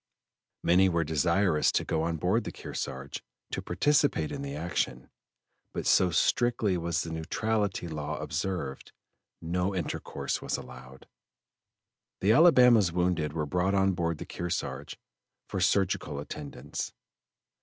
Many were desirous to go on board the Kearsarge to participate in the action, but so strictly was the neutrality law observed, no intercourse was allowed. The Alabama's wounded were brought on board the Kearsarge for surgical attendance.